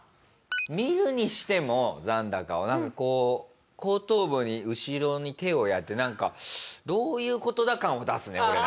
見るにしても残高をなんかこう後頭部に後ろに手をやってどういう事だ感を出すね俺なら。